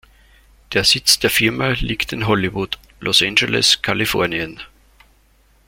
Der Sitz der Firma liegt in Hollywood, Los Angeles, Kalifornien.